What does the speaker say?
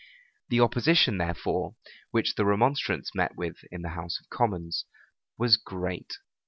The opposition, therefore, which the remonstrance met with in the house of commons was great.